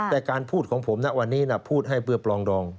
แต่การพูดของผมนะวันนี้พูดให้เพื่อปลองดอง